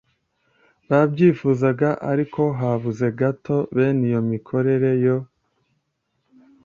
babyifuzaga ariko habuze gato. bene iyo mikorere yo